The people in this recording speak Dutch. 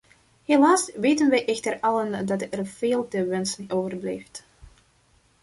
Helaas weten wij echter allen dat er veel te wensen overblijft.